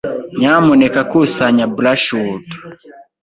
Nyamuneka kusanya brushwood.